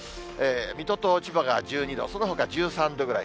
水戸と千葉が１２度、そのほか１３度ぐらい。